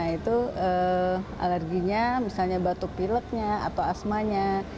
itu alerginya misalnya batuk pileknya atau asmanya